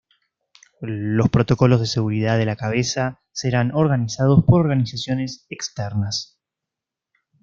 Los protocolos de seguridad de la cabeza serán organizados por organizaciones externas.